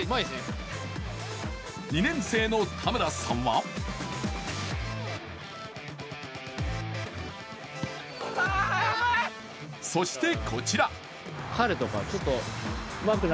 ２年生の田村さんはそして、こちら。